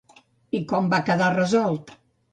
I com va quedar resolt?